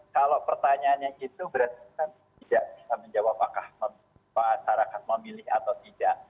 kalau pertanyaannya itu berarti kan tidak bisa menjawab apakah masyarakat memilih atau tidak